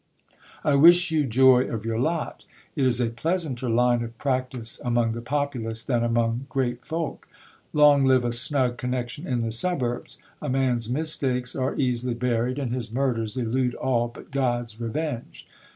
I wish you joy of your lot ; it is a pleasanter line of practice among the populace tlian among great folk. Long live a snug connection in the suburbs ! a man's mistakes are easily buried, and his murders elude all but God's revenge.